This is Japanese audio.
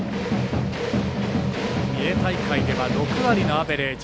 三重大会では６割のアベレージ。